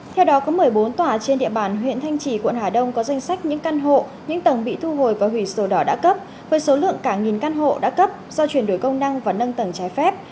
theo đó có một mươi bốn tòa trên địa bàn huyện thanh trì quận hà đông có danh sách những căn hộ những tầng bị thu hồi và hủy sổ đỏ đã cấp với số lượng cả nghìn căn hộ đã cấp do chuyển đổi công năng và nâng tầng trái phép